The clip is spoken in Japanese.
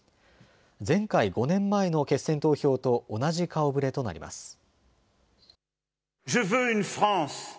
前回５年前の決選投票と同じ顔ぶれとなります。